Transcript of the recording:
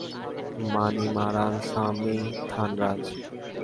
Manimaran, Sami, Thanraj.